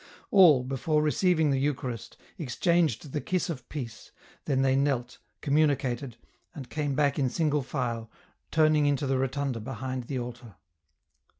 All, before receiving the Eucharist, exchanged the kiss of peace, then they knelt, communicated, and came back in single file, turning into the rotunda behind the altar.